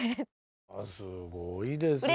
すごいですね。